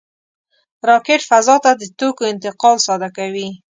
راکټ فضا ته د توکو انتقال ساده کوي